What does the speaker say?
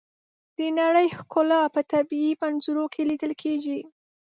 د نړۍ ښکلا په طبیعي منظرو کې لیدل کېږي.